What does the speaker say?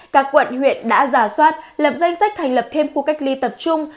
các quận huyện đã giả soát lập danh sách thành lập thêm khu cách ly tập trung